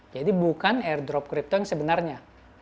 jadi bukan airdrop crypto yang sebenarnya